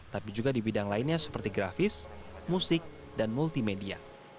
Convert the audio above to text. tapi juga di bidang lainnya seperti grafis musik dan multimedia